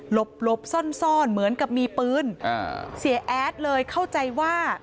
หลบซ่อนซ่อนเหมือนกับมีปืนอ่าเสียแอดเลยเข้าใจว่า